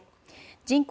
人口